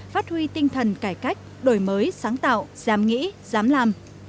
phát huy tinh thần cải cách đổi mới sáng tạo dám nghĩ dám làm